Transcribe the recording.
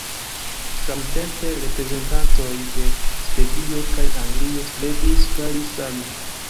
Samtempe, reprezentantoj de Svedio kaj Anglio strebis fari same.